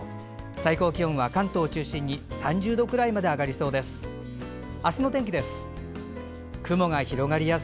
最高気温は関東を中心に３０度くらいまで上がりそうです。